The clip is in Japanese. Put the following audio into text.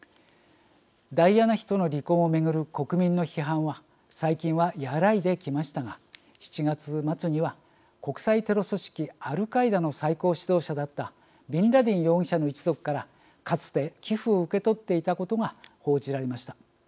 ダイアナ妃との離婚を巡る国民の批判は最近は和らいできましたが７月末には国際テロ組織アルカイダの最高指導者だったビンラディン容疑者の一族からかつて寄付を受け取っていたことが報じられました。